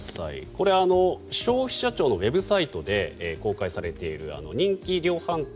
これ、消費者庁のウェブサイトで公開されている人気量販店